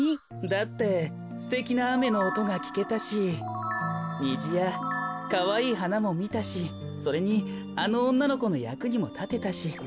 だってすてきなあめのおとがきけたしにじやかわいいはなもみたしそれにあのおんなのこのやくにもたてたし。